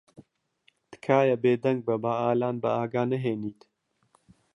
تکایە بێدەنگ بە با ئالان بە ئاگا نەھێنیت.